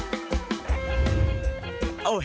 ว้าว